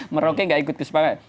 merauke nggak ikut kesepakatan